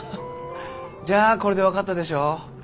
じゃあこれで分かったでしょう